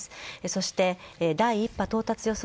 そして第１波到達予想